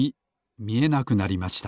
みえなくなりました。